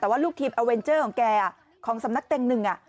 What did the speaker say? แต่ว่าลูกทีมอเวนเจอร์ของแกของสำนักเต็งหนึ่ง